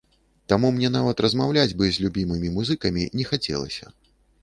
Таму мне нават размаўляць бы з любімымі музыкамі не хацелася.